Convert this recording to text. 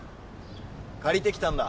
借りてきたんだ。